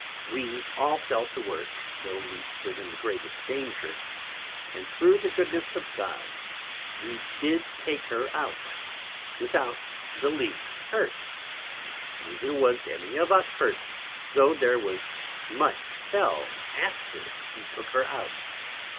We all fell to work, tho' we stood in the greatest Danger; and through the Goodness of God we did take her out, without the least hurt; neither was any of us hurt, tho' there was much fell after we took her out.